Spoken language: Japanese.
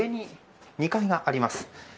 ２階があります。